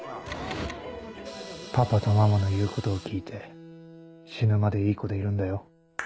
パパとママの言うことを聞いて死ぬまでいい子でいるんだよ。